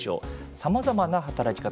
さまざまな働き方